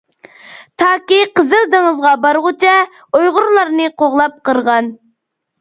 تاكى قىزىل دېڭىزغا بارغۇچە ئۇيغۇرلارنى قوغلاپ قىرغان.